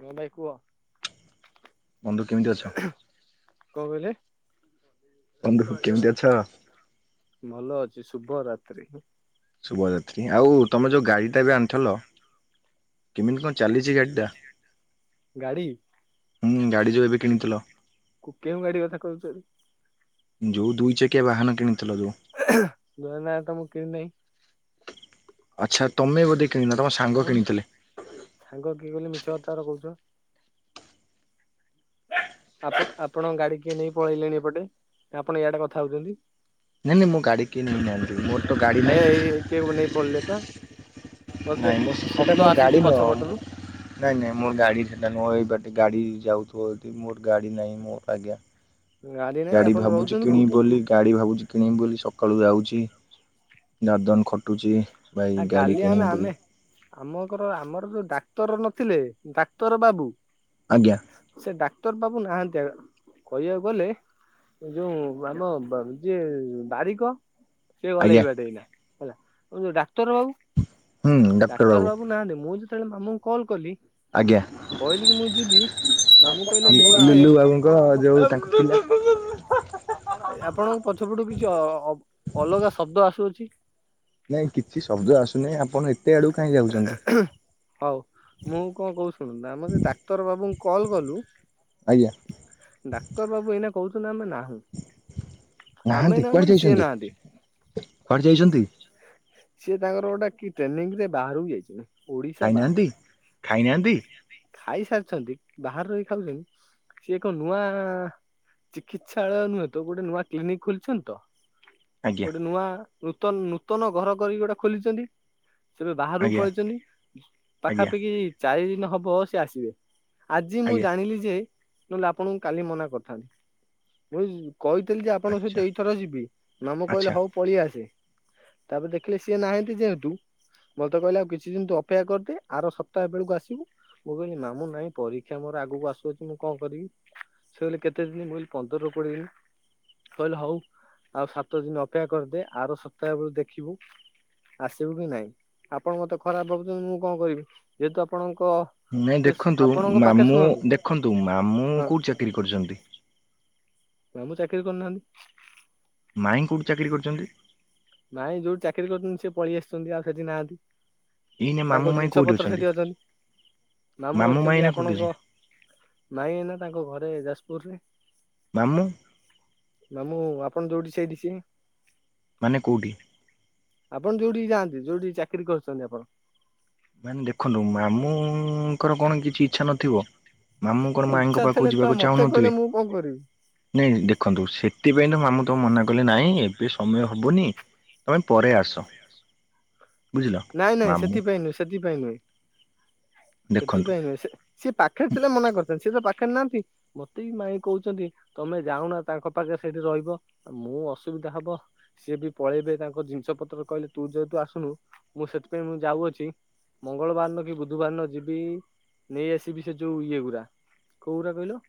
ହଁ ଭାଇ କୁହ? ବନ୍ଧୁ କେମିତି ଅଛ? କଣ କହିଲେ? ବନ୍ଧୁ କେମିତି ଅଛ। ଭଲ ଅଛି ଶୁଭ ରାତ୍ରି। ଶୁଭରାତ୍ରୀ ଆଉ ତମେ ଯୋଉ ଗାଡି ଟା ଏବେ ଆଣିଥିଲ। କେମିତି କଣ ଚାଲିଛି ଗାଡି ଟା। ଗାଡ଼ି। ହୁଁ ଗାଡି ଯୋଉ ଏବେ କିଣିଥିଲ। କୁ କେଉଁ ଗାଡି କଥା କହୁଛନ୍ତି। ଯଉ ଦୁଇ ଚ ଗ ନା ତ ମୁଁ କିଣି ନାଇଁ। ଆଚ୍ଛା ତମେ ବୋଧେ କିଣିିନ ତମ ସାଙ୍ଗ କିଣିଥିଲେ। ସାଙ୍ଗ କିଏ କହିଲେ ମିଛ କଥାଗୁରା କହୁଚ। ଆପ ଆପଣଙ୍କ ଗାଡି କିଏ ନେଇ ପଳେଇଲେଣି ଏପଟେ ଆପଣ ଇଆଡେ କଥା ହଉଛନ୍ତି। ନାଇଁ ନାଇଁ ମୋ ଗାଡି କିଏ ନେଇନାହାନ୍ତି ମୋର ତ ଗାଡି ନାହିଁ ଆଜ୍ା ଏଏ ନେଇ ପଳେଇଲେ ପା। ମତେ ନାଇଁ ମୋ ସେଟା ଶବ୍ଦ ମୋର ଆସୁଛି ଗାଡ଼ି ପଛ ନୁହଁ ପଟରୁ ମୁ ନାଇଁ ନାଇଁ ମୋର ଗାଡି ସେଟା ନୁହଁ ଏଇ ବାଟେ ଗାଡି ଯାଉ ମୋର ଗାଡ଼ି ନାହିଁ ମୋ ଆଜ୍ଞା ନାହିଁ ଗାଡି ଆପଣ ଭାବୁଛି ରହୁଛନ୍ତି କିଣିବି କୋଉଠି ବୋଲି ଗାଡି ଭାବୁଛି କିଣିବି ବୋଲି ସ ସକାଳୁ ଯାଉଛି ଦାଦନ ଖଟୁଚି। ଆ କାଲି ଆମେ ଆମେ ଆପଣଙ୍କର ଆମର ଯୋଉ ଡା ଡାକ୍ତର ନଥିଲେ ଡାକ୍ତର ବାବୁ ଆଜ୍ଞା ସେ ଡାକ୍ତର ବାବୁ ନାହାନ୍ତି କହିବାକୁ ଗଲେ ଏ ଯୋଉ ଆମ ବା ଯିଏ ବାରିକ ସେ ଗଲେ ଏଇ ଆଜ୍ଞା ବାଟେ ଏଇନା ଯୋଉ ଡାକ୍ତର ବାବୁ? ଡାକ୍ତର ବାବୁ ନାହାନ୍ତି ମୁଁ ଯେତେବେଳେ ମାମୁଁଙ୍କୁ କଲ କଲି ଆଜ୍ଞା କହିଲି କି ମୁଁ ଯି ଲୁଲୁ ବାବୁଙ୍କ ଯୋଉ ତାଙ୍କ ଥିଲା [inaudible] ଆପଣଙ୍କ ପଛପଟୁ କିଛି ଅ ଅଲଗା ଶବ୍ଦ ଆସୁଅଛି ନାଇଁ କିଛି ଶବ୍ଦ ଆସୁନିଁ ଆପଣ ଆଡକୁ କାହିଁ ଯାଉଛନ୍ତି ହଉ ମୁଁ କଣ କହୁ ଶୁଣନ୍ ଆମ ଡାକ୍ତର ବାବୁଙ୍କୁ କଲ୍ କଲୁ ଆଜ୍ଞା ଡାକ୍ତର ବାବୁ ଏଇନା କହୁଛନ୍ତି ଆମେ ନାହୁଁ। ଆମେ ନାହାନ୍ତି ନାହୁଁ କୁଆଡେ ମାନେ ସିଏ ଯାଇଛନ୍ତି ନାହାନ୍ତି। କୁଆଡେ ଯାଇଛନ୍ତି ସିଏ ତାଙ୍କର ଗୋଟା କି ଟ୍ରେନିଂ ରେ ବାହାରକୁ ଯାଇଚି। ଖାଇନାହାନ୍ତି ଖାଇନାହାନ୍ତି। ଖାଇସାରିଛନ୍ତି ବାହାରେ ରହି ଖାଉଛନ୍ତି ସିଏ ଏକ ନୂଆ ଚିକିଛାଳୟ ନୁହେଁ ତ ଗୋଟେ ନୂଆ କ୍ଲିନିକ ଖୋଲିଛନ୍ତି ତ ଆଜ୍ଞା ଗୋଟେ ନୂଆ ନୂତନ୍ ନୂତନ ଘର କରିକି ଗୋଟେ ଖୋଲିଛନ୍ତି ସେବେ ବାହାରକୁ ଆଜ୍ଞା ପଳେଇଛନ୍ତି ଆଜ୍ଞା ପାଖାପାଖି ଚାରି ଦିନ ହବ ସେ ଆସିବେ। ଆଜି ମୁଁ ଆଜ୍ଞା ଜାଣିଲି ଯେ ନହେଲେ ଆପଣଙ୍କୁ କାଲି ମନା କରିଥାନ୍ତି ମୁ କହିଥିଲି ଯେ ଆପଣଙ୍କ ଆଚ୍ଛା ସହିତ ଏଇଥର ଯିବି ମାମୁଁ ଆଚ୍ଛା କହିଲେ ହଉ ପଳେଇ ଆସେ। ତାପରେ ଦେଖିଲେ ସିଏ ନାହାଁନ୍ତି ଯେହେତୁ ମୋତେ କହିଲେ ଆଉ କିଛି ଦିନ ତୁ ଅପେକ୍ଷା କରିଦେ ଆର ସପ୍ତାହ ବେଳକୁ ଆସିବୁ ମୁଁ କହିଲି ମାମୁଁ ନାହିଁ ପରୀକ୍ଷା ମୋର ଆଗକୁ ଆସୁଅଛି ମୁଁ କଣ କରିବି ସେ କହିଲେ କେତେ ଦିନ ମୁ କହିଲି ପନ୍ଦରରୁ କୋଡିଏ ଦିନ। କହିଲେ ହଉ ଆଉ ସାତ ଦିନ ଅପେକ୍ଷା କରିଦେ ଆର ସପ୍ତାହ ବେଳକୁ ଦେଖିବୁ। ଆସିବୁ କି ନାଇଁ ଆପଣ ମତେ ଖରାପ ଭାବୁଛନ୍ତି ମୁଁ କଣ କରିବି ଯେହେତୁ ଆପଣଙ୍କ ନାଇଁ ଦେଖନ୍ତୁ ଆପଣଙ୍କ ପାଖରେ ମାମୁଁ ଶୁଣନ୍ତୁ ଦେଖନ୍ତୁ ମାମୁଁ ହଁ କୋଉଠି ଚାକିରି କରିଛନ୍ତି? ମାମୁଁ ଚାକିରି କରୁନାହାଁନ୍ତି। ମାଇଁ କୋଉଠି ଚାକିରି କରିଛନ୍ତି? ମାଇଁ ଯୋଉଠି ଚାକିରି କରୁଛନ୍ତି ସେ ପଳେଇ ଆସିଛନ୍ତି ଆଉ ସେଠି ନାହାଁନ୍ତି। ଏଇନା ମାମୁଁ ତାଙ୍କ ମାଇଁ ଜିନିଷ କୋଉଠି ପତ୍ର ସେଠି ଅଛନ୍ତି। ମାମୁଁ ମାଇଁ ଅଛନ୍ତି ଏଇନା କୋଉଠି ଆପଣଙ୍କ ଅଛନ୍ତି ମାଇଁ ଏଇନା ତାଙ୍କ ଘରେ ମାମୁଁ ମାମୁଁ ଆପଣ ଯୋଉଠି ସେଇଠି ସିଏ। ମାନେ କୋଉଠି? ଆପଣ ଯୋଉଠି ଯାଆନ୍ତି ଯୋଉଠି ଚାକିରି କରୁଛନ୍ତି ଆପଣ। ମାନେ ଦେଖନ୍ତୁ ମାମୁଁଙ୍କର କଣ କିଛି ଇଛା ନଥିବ। ମାମୁଁ କଣ ମାଇଁଙ୍କ ଇଚ୍ଛା ପାଖକୁ ଥିଲେ ତ ଯିବାକୁ ମତେ କହିଲେ ଚାହୁଁନଥିବେ। ମୁଁ କଣ କରିବି। ନାଇଁ ଦେଖନ୍ତୁ ସେଥିପାଇଁ ତ ମାମୁ ତ ମନା କଲେ ନାଇଁ ଏବେ ସମୟ ହବନି ତମେ ପରେ ଆସ। ବୁଝିଲ ନାଇଁ ନାଇଁ ମାମୁଁ ସେଥିପାଇଁ ନୁହେଁ ସେଥିପାଇଁ ନୁହେଁ। ଦେଖନ୍ତୁ ସେଥିପାଇଁ ନୁହେଁ ସେ ସିଏ ପାଖରେ ଥିଲେ ମନା କରିଛନ୍ତି ସିଏ ତ ପାଖରେ ନାହାନ୍ତି ମତେ ବି ମାଇଁ କହୁଛନ୍ତି। ତମେ ଯାଉନା ତାଙ୍କ ପାଖରେ ସେଇଠି ରହିବ। ମୁଁ ଅସୁବିଧା ହବ ସିଏ ବି ପଳେଇବେ। ତାଙ୍କ ଜିନିଷ ପତ୍ର କହିଲେ, ତୁ ଯେହେତୁ ଆସୁନୁ। ମୁଁ ସେଥିପାଇଁ, ମୁଁ ଯାଉଅଛି ମଙ୍ଗଳବାର ନ କି ବୁଧବାର ନ ଯିବି। ନେଇ ଆସିବି ସେ ଯୋଉ ଇଏ ଗୁରା, କୋଉ ଗୁରା କହିଲ।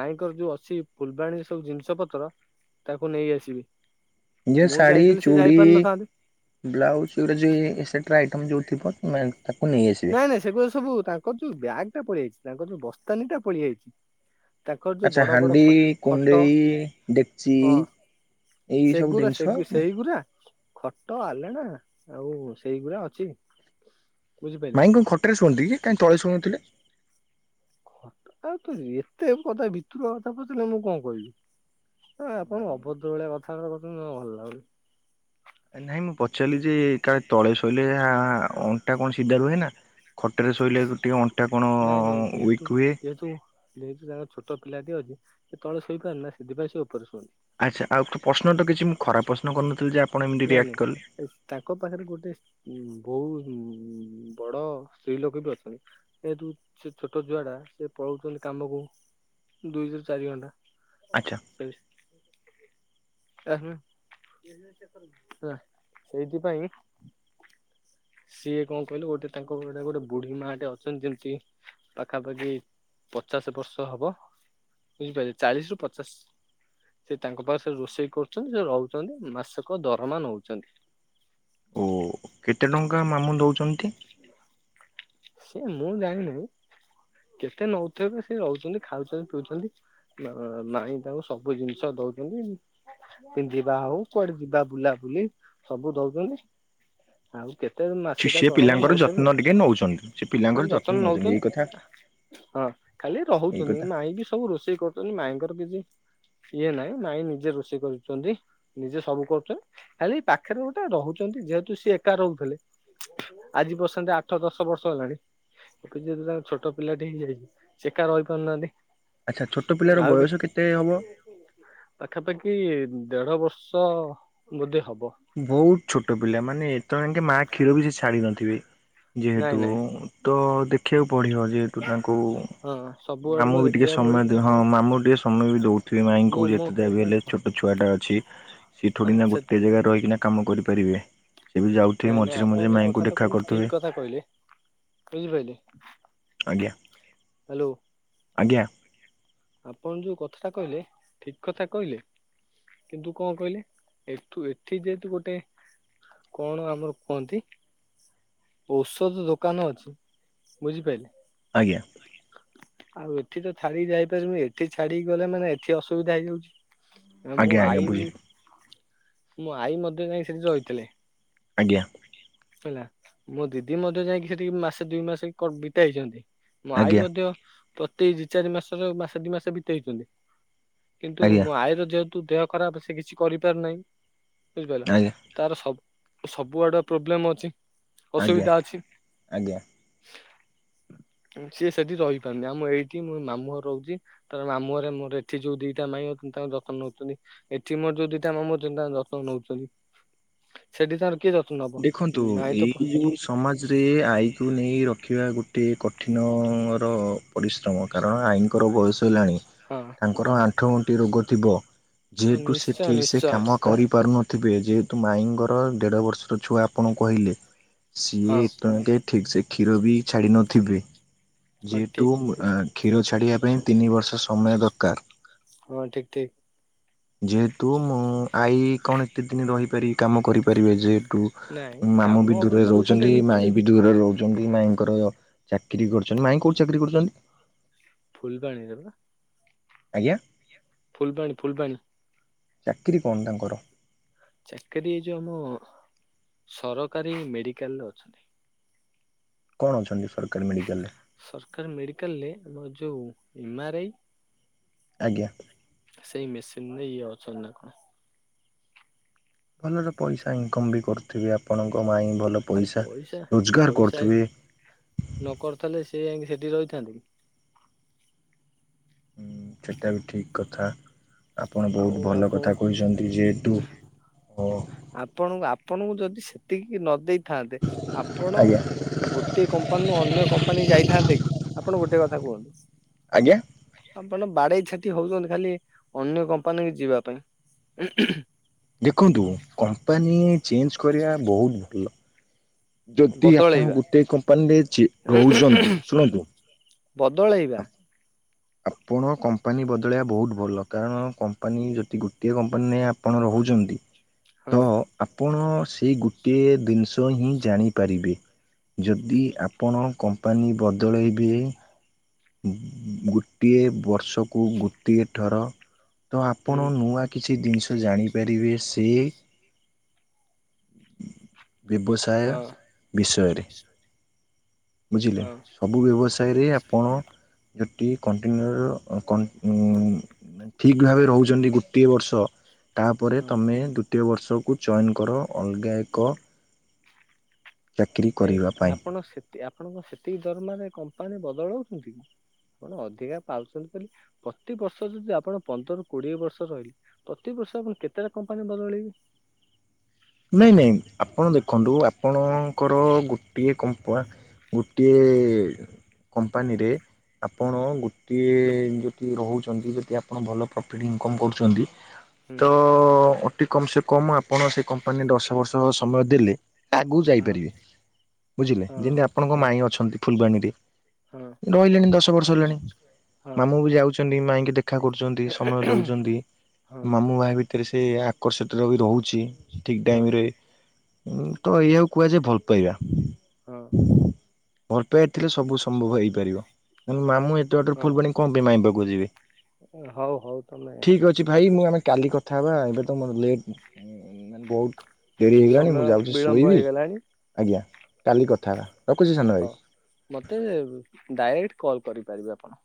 ମାଇଁଙ୍କର ଯୋଉ ଅଛି। ଫୁଲବାଣୀରେ ସବୁ ଜିନିଷ ପତ୍ର ତାକୁ ନେଇ ଆସିବି। ଯେ ମୁଁ ଶାଢୀ ଯାଇଥିଲି ସେ ଚୁଡ଼ି ଯାଇପାରି ନଥାନ୍ତେ। ବ୍ଲାଉଜ [inaudible] ଟା ଆଇଟମ୍ ଯେଉଁଥିବ ନାଇଁ ନାଇଁ ସେଗୁଡା ସବୁ ତାଙ୍କର ଯୋଉ ବ୍ୟାଗ୍ ଟା ପଳେଇଆଇଚି ତାଙ୍କର ଯୋଉ ବସ୍ତାନୀଟା ପଳେଇ ଆଇଛି। ଆଚ୍ଛା ହାଣ୍ଡି କୁଣ୍ଣ୍ଡେଇ ଡେକ୍ଚି। ହଁ ଏଇ ସବ ସେଗୁରା ଜିନିଷ। ସେଗୁ ସେଇଗୁରା ଖଟ ଆଲେଣା ଆଉ ସେଇଗୁଡା ଅଛି। ବୁଝିପାରିଲେ। ମାଇଁ କଣ ଖଟରେ ଶୁଅନ୍ତି କି କାହିଁ ତଳେ ଶଉଥିଲେ। କଥାଉ ତ ଏତେ କଥା ଭିତୁର କଥା ପଚାରିଲେ ମୁଁ କଣ କହିବି? ହଁ ଆପଣ ଅଭଦ୍ର ଭଳିଆ କଥା ବାର୍ତ୍ତା କରୁଛନ୍ତି ଜମା ଭଲ ଲାଗୁନି। ନାଇଁ ମୁଁ ପଚାରିଲି ଯେ କାଳେ ତଳେ ଶୋଇଲେ ଅଣ୍ଟା କଣ ସିଧା ରୁହେ ନା। ଖଟରେ ଶୋଇଲେ ଟିକେ ଅଣ୍ଟା କଣ ନାଇଁ ନାଇଁ ୱିକ୍ ହୁଏ। ଛଟ ପିଲାଟିଏ ଅଛି। ସେ ତଳେ ସେଇ ପାରାରେ ନା ସେଥିପାଇଁ ସେ ଉପରେ ଶୁଅନ୍ତି ଆଚ୍ଛା, ଆଉ ପ୍ରଶ୍ନ କିଛି ମୁଁ ଖରାପ ପ୍ରଶ୍ନ କରିନଥିଲି ଯେ ଆପଣ ଏମିତି ନାଇଁ ରିଆକ୍ଟ କଲେ ନାଇଁ ଏ ତାଙ୍କ ପାଖରେ ଗୋଟେ ବହୁ ବଡ ସ୍ତ୍ରୀ ଲୋକ ବି ଅଛନ୍ତି। ଏ ଯୋଉ ସେ ଛୋଟ ଝୁଆ ଟା ସେ ପଳଉଛନ୍ତି କାମକୁ। ଦୁଇ ରୁ ଚାରି ଘଣ୍ଟା। ଆଚ୍ଛା। ଆ ହ ସେଇଥିପାଇଁ [inaudible] ସିଏ କଣ କହିଲୁ ଗୋଟେ ତାଙ୍କ ଗୋଟେ ଗୋଟେ ବୁଢୀ ମା ଟେ ଅଛନ୍ତି ଯେମିତି ପାଖାପାଖି। ପଚାଶ ବର୍ଷ ହବ ବୁଝିପାରିଲେ ଚାଳିଶ ରୁ ପଚାଶ ସେ ତାଙ୍କ ପାଖ ରୋଷେଇ କରୁଛନ୍ତି ସେ ରହୁଛନ୍ତି ମାସକ ଦରମା ନଉଛନ୍ତି। ଓ କେତେ ଟଙ୍କା ମାମୁଁ ଦଉଛନ୍ତି? ସେ ମୁଁ ଜାଣିନି। କେତେ ନଉଥିବେ ସେ ରହୁଛନ୍ତି ଖାଉଛନ୍ତି ପିଉଛନ୍ତି। ମାଇଁ ତାଙ୍କୁ ସବୁ ଜିନିଷ ଦଉଛନ୍ତି। ପିନ୍ଧିବା ହଉ କୁଆଡେ ଯିବା ବୁଲାବୁଲି ସବୁ ଦଉଛନ୍ତି। ଆଉ କେତେ ମାସିକା ସେ ଦରମା ପିଲାଙ୍କର ନଉଥିବେ ଆଉ ଯତ୍ନ ଟିକେ ନେଉଛନ୍ତି। ସେ ମାନେ ପିଲାଙ୍କର ଯତ୍ନ ନେଉଛନ୍ତି। ନଉଛନ୍ତି ଏଇ କଥା। ହଁ ଖାଲି ଏଇ ରହୁଛନ୍ତି। କଥା ମାଇଁ ବି ସବୁ ରୋଷେଇ କରୁଛନ୍ତି। ମାଇଙ୍କର କିଛି ଇଏ ନାଇଁ ମାଇଁ ନିଜେ ରୋଷେଇ କରୁଛନ୍ତି। ନିଜେ ସବୁ କରୁଛନ୍ତି। ଖାଲି ଏଇ ପାଖରେ ଗୋଟେ ରହୁଛନ୍ତି। ଯେହେତୁ ସିଏ ଏକା ରହୁଥିଲେ, ଆଜି ବର୍ସନ୍ତ ଆଠ ଦଶ ବର୍ଷ ହେଲାଣି ଏ ଯଦି ତାଙ୍କ ଛୋଟ ପିଲା ଟି ହେଇ, ଏକା ରହିପାରୁନାହାନ୍ତି। ଆଚ୍ଛା ଛୋଟ ପିଲାର ଆଉ ବି ବୟସ କେତେ ହବ? କି ଦେଢ ବର୍ଷ ବୋଧେ ହବ। ବହୁତ ଛୋଟ ପିଲା ମାନେ ଏତେବେଳେ ଯଙ୍କେ ମାଆ କ୍ଷୀର ବି ସେ ଛାଡି ନଥିବେ। ନାଇଁ ଯେହେତୁ ନାଇଁ ତ ଦେଖିବାକୁ ପଡ଼ିବ ଯେହେତୁ ତାଙ୍କୁ ହଁ ସବୁ ଆଡୁକୁ ମାମୁଁ ବି ଟିକେ ଦେଖିବାକୁ ପଡିବ ସମୟ ହଁ ମାମୁଁ ଟିକେ ସମୟ ବି ଦଉଥିବେ ମୁଁ ମାଇଁଙ୍କୁ। ମୁଁ ଯେତେ ଯାହାବି ହେଲେ ଛୋଟ ଛୁଆ ଟା। ଛି ହଁ ସେଥୋଡ଼ିନା ସେ ଗୋଟେ ଜାଗାରେ ରହିକିନା କାମ କରିପାରିବେ। ସେ ବି ଯାଉଥିବେ ନାଇଁ ନାଇଁ ମଝିରେ ଆପଣ ମଝିରେ ଯୋଉ ମାଇଁଙ୍କୁ କଥାଟା ଦେଖା କହିଲେ ଠିକ କରୁଥିବେ କଥା କହିଲେ ବୁଝିପାରିଲେ ଆଜ୍ଞା, ହ୍ୟାଲୋ ଆଜ୍ଞା ଆପଣ ଯୋଉ କଥା ଟା କହିଲେ ଠିକ କଥା କହିଲେ? କିନ୍ତୁ କଣ କହିଲେ ଏଠୁ ଏଠି ଯେହେତୁ ଗୋଟେ କଣ ଆମର କୁହନ୍ତି? ଔଷଧ ଦୋକାନ ଅଛି ବୁଝିପାରିଲେ ଆଜ୍ଞା ଆଉ ଏଠି ତ ଛାଡିିକି ଯାଇପାରିବନି ଏଠି ଛାଡିିକି ଗଲେ ମାନେ ଏଠି ଅସୁବିଧା ହେଇଯାଉଛି। ମୁଁ ଆଜ୍ଞା ଆଜ୍ଞା ଆଈ ବୁଝି ମୋ ଆଈ ମଧ୍ୟ ଯାଇ ସେଠି ରହିଥିଲେ ଆଜ୍ଞା ହେଲା ମୋ ଦିଦି ମଧ୍ୟ ଯାଇକି ସେଠିକି ମାସେ ଦୁଇ ମାସ ବିତା ଇଛନ୍ତି ମୋ ଆଈ ଆଜ୍ଞା ମଧ୍ୟ ପ୍ରତି ଦି ଚାରି ମାସର ମାସେ ଦି ମାସ ବିତେଇଛନ୍ତି କିନ୍ତୁ ଆଜ୍ଞା ମୋ ଆଈର ଯେହେତୁ ଦେହ ଖରାପ ସେ କିଛି କରିପାରୁନାହିଁ। ବୁଝିପାଇଲ ଆଜ୍ଞା ତାର ସବୁ ସବୁଆଡେ ପ୍ରୋବ୍ଲେମ୍ ଅଛି ଆଜ୍ଞା ଅସୁବିଧା ଅଛି ଆଜ୍ଞା। [inaudible] ସିଏ ସେଠି ରହିପାରୁନି ଆମ ଏଇଠି ମୁଁ ମାମୁଁ ଘରେ ରହୁଛି ତାର ମାମୁଁ ଘରେ ମୋର ଏଠି ଯୋଉ ଦିଟା ମାଇ ଅ ତାଙ୍କ ଯତ୍ନ ନଉଛନ୍ତି ଏଠି ମୋର ଯଉ ଦିଟା ମାମୁଁ ତାଙ୍କ ଯତ୍ନ ନଉଛନ୍ତି। ସେଠି ତାଙ୍କର କିଏ ଯ ଦେଖନ୍ତୁ ଏଇ ଯୋଉ ସମାଜରେ ଆଈକୁ ନେଇ ରଖିବା ଗୋଟେ କଠିନ ମର ପରିଶ୍ରମ କାରଣ ଆଈ କଂର ବଯସ ହେଲାନି ହଁ ତାଙ୍କର ଆଣ୍ଠୁଗଣ୍ଠି ରୋଗ ଥିବ ହଁ, ଯେହେତୁ ସେ ନିଶ୍ଚୟ ଠିକ ସେ ନିଶ୍ଚୟ କାମ କରିପାରୁନଥିବେ ଯେହେତୁ ମାଇ ଦେଢ଼ ବର୍ଷର ଛୁଆ ଆପଣଙ୍କୁ କହିଲେ, ସିଏ ହଁ ଠିକ୍ ସେ କ୍ଷୀର ବି ଛାଡ଼ି ନଥିବେ ହଁ ଯେହେତୂ ଠିକ୍ କ୍ଷୀର ଛାଡିବା ପାଇଁ ତିନି ବର୍ଷ ସମୟ ଦରକାର ହଁ ଠିକ ଠିକ ଯେହେତୁ ମୁଁ ଆଈ କଣ ଏତେ ଦିନ ରହିପାରିବି କାମ କରିପାରିବେ ଯେ ନାଇଁ ୁ ମାମୁ କାମ ବି ଦୂରରେ ଅବଶ୍ୟ ନ କଲେ ରହୁଛନ୍ତି ମାଇଁ ବି ଦୂରରେ ରହୁଛନ୍ତି ମାଇଁଙ୍କର ଚାକିରି ଗ୍ ମାଂଇ କୋଉଟି ଚାକିରି କରୁଛନ୍ତି? ଫୁଲୂବାଣି ରେପା। ଆଜ୍ଞା! ଫୁଲ୍ ବାଣୀ ଫୁଲ୍ ବାଣୀ ଚାକିରୀ କଣ ତାଙ୍କର? ଚାକିରିୀ ଏ ଯୋଉ ଆମ ସରକାରୀ ମେଡିକାଲରେ ଅଛନ୍ତି। କଣ ଅଛନ୍ତି ସରକାରୀ ମେଡିକାଲ ରେ? ସରକାରୀ ମେଡିକାଲରେ ଆମର ଯୋଉ ଏମାଆରଆଇ, ଆଜ୍ଞା ସେଇ ମେସିନରେ ଇଏ ଅଛନ୍ତି ନା ଭଲରେ ପଇସା ଇନକମ ବି କରୁଥିବେ ଆପଣଙ୍କ ମାଇଁ ଆ ପଇସା ରୋଜଗାର ପଇସା କରୁଥିବେ ନ କର୍ଥିଲେ ସେ ଯାଇ ସେଠି ରହି ଛନ୍ତି କି ହୁଁ ସେଟା ବି ଠିକ କଥା ଆପଣ ଆଉ ବହୁତ ଭଲ ଆପଣ କଥା କହିଚନ୍ତି ଯେହେତୁ ଓ ଆପଣଙ୍କୁ ଆପଣଙ୍କୁ ଯଦି ସେତିକି ନ ଦେଇ ଥାଆନ୍ତେ ଆପଣ ଆଜ୍ଞା ଗୋଟିଏ କମ୍ପାନୀରୁୁ ଅନ୍ୟ କମ୍ପାନୀକି ଯାଇଥାନ୍ତେ ଉ ଆପଣ ଗୋଟେ କଥା କୁହନ୍ତୁ ଆଜ୍ଞା? ଆପଣ ବାଡ଼େଇ ଛାଟି ହଉଚନ୍ତି ଖାଲି ଅନ୍ୟ କମ୍ପାନୀକି ଯିବା ପାଇଁ। ଦେଖନ୍ତୁ କମ୍ପାନୀ ଚେଞ୍ଚ୍ କରିଆ ବହୁତ ଭଲ। ଯଦି ଆପଣ ବଦଳେଇବା ଗୋଟେ କମ୍ପାନୀରେ ଯେ ରହୁଚନ୍ତି ଶୁଣନ୍ତୁ ବଦଳେଇବା। ଆପଣ କମ୍ପାନୀ ବଦଳେଇଆ ବହୁତ ଭଲ କାରଣ କମ୍ପାନୀ ଯତି ଗୋଟିଏ କମ୍ପାନୀରେ ଆପଣ ର ଉଚନ୍ତି ହଁ। ଆପଣ ସେଇ ଗୋଟିଏ ଦିନିଷ ହିଁ ଜାଣିପାରିବେ। ଯଦି ଆପଣ କମ୍ପାନୀ ବଦଳେଇବେ ଉଁ ଗୋଟିଏ ବର୍ଷକୁ ଗୋଟିଏ ଥର ତ ଆପଣ ହୁଁ ନୂଆ କିଛି ଇ ଦିନଷ ଜାଣିପାରିବେ ସେ ବ୍ୟବସାୟ ହଁ ବିଷୟରେ। ବୁଝିଲେ? ହଁ ସବୁ ବ୍ୟବସାୟରେ ଆପଣ ଯ ଟିଏ କଣ୍ଟିନିଉ ଅ କ ଉଁ ନାଇଁ ଠିକ ଭାବେ ରହୁଚନ୍ତି ଗୋଟିଏ ବର୍ଷ ତାପରେ ହଁ ତମେ ଦୁତୀୟ ବର୍ଷକୁ ଚଏନ କର ଅଲଗା ଏକ ଚାକିରୀ କାଇଁ କରିବା ପାଇଁ। ଆପଣ ସେତି ଆପଣଙ୍କ ସେତିକି ଦରମାରେ କମ୍ପାନୀ ବଦଳାଉଚନ୍ତି କି? ଆପଣ ଅଧିକା ପାଉଛନ୍ତି ବୋଲି ପ୍ରତିିବର୍ଷ ଯଦି ଆପଣ ପନ୍ଦରରୁ କୋଡ଼ିଏ ବର୍ଷ ରହିଲେ ପ୍ରତିିବ ଷ ମୁଁ କେତେଟା କମ୍ପାନୀ ବଦଳେଇବି? ନାଇଁ ନାଇଁ ଆପଣ ଦେଖନ୍ତୁ ଆପଣଙ୍କର ଗୋ ଟିଏ କମ୍ପ ଗୋଟିଏ କମ୍ପାନୀରେ ଆପଣ ଗୋଟିଏ ଯତି ରହୁଚନ୍ତି ଯତି ଆପଣ ଭଲ ପ୍ରଫିଟ୍ ଇନକମ୍ କରୁଚନ୍ତି ତ ହୁଁ ଅଟି କମ୍ ସେ କମ୍ ଆପଣ ସେଇ କମ୍ପାନୀ ଦଶ ବର୍ଷ ସମୟ ଦେଲେ ଆଗୁକୁ ହଁ ଯାଇପାରିବେ ବୁଝିଲେ? ହଁ ଯେନ୍ତି ଆପଣଙ୍କ ହଁ ମାଇଁ ଅଛନ୍ତି ଫୁଲବାଣୀରେ। ହଁ ରହିଲେଣି ଦଶ ବର୍ଷ ହେଲାଣି ହଁ ମାମୁଁ ବି ଯାଉଚନ୍ତି ମାଇଁକି ଦେ ଖା କରୁଚନ୍ତି ସମୟ ଦୋଉଚନ୍ତି। ମାମୁଁ ମାଇଁ ଭିତରେ ସେ ଆକର୍ଷିତର ବି ରହୁଚି। ଠିକ୍ ହଁ ଟାଇମ୍ ରେ ଉଁ ତ ଏଇଆକୁ କୁହାଯାଏ ଭଲ ପାଇବା। ହଁ ଭଲ ପାଇଆ ଥିଲେ ସବୁ ସମ୍ଭବ ହେଇପାରିବ ମୋ ମାମୁଁ ଏ ତେ ବାଟର ହଁ ଫୁଲବାଣ କଁ ପାଇଁ ମାଇଁ ପାଖକୁ ଯିବେ? ହଁ ହଉ ହଉ ତମେ ଠିଊକ ଅଛି ଭାଇ ମୁଁ ରଖୁଛି ଆମେ କାଲି କଥା ହେବା ଏବେ ତ ମୋର ଲେ ଉଁ ଉଁ ମାନେ ବହୁତ ଡେରି ହେଇଗଲାଣି ସମୟ ମୁଁ ଯାଉଚି ବିଳମ୍ବ ଶୋଇବି ହେଇଗଲାଣି ଆଜ୍ଞା କାଲି କଥା ହେବା। ରଖୁଛି ସାନ ଭାଇ। ହଁ ମତେ ଡାଇରେକ୍ଟ କଲ୍ କରିପାରିବେ ଆପଣ।